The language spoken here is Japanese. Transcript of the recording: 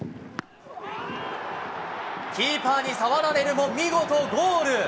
キーパーに触られるも見事ゴール。